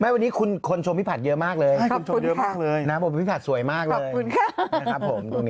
วันนี้คนชมพี่ผัดเยอะมากเลยบอกว่าพี่ผัดสวยมากครับ